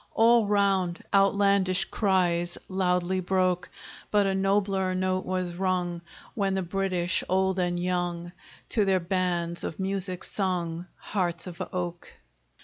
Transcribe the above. All round, outlandish cries Loudly broke; But a nobler note was rung, When the British, old and young. To their bands of music sung 'Hearts of Oak!'